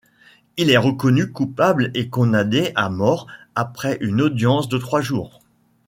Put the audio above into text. Il est reconnu coupable et condamné à mort après une audience de trois jours.